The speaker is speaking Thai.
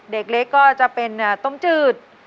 เด็กเล็กก็จะเป็นต้มจืด